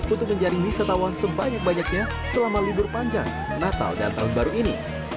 untuk menjaring wisatawan sebanyak banyaknya selama libur panjang natal dan tahun baru ini